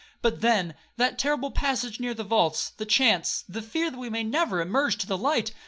—'But, then, that terrible passage near the vaults,—the chance, the fear that we may never emerge to light!